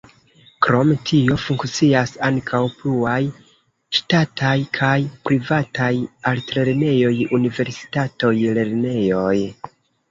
Krom tio funkcias ankaŭ pluaj ŝtataj kaj privataj altlernejoj, universitatoj, lernejoj.